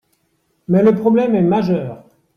mais le problème est majeur